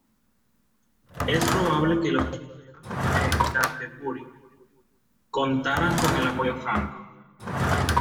Es probable que los misioneros de Canterbury contaran con el apoyo franco.